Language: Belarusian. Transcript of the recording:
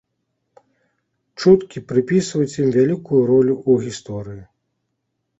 Чуткі прыпісваюць ім вялікую ролю ў гісторыі.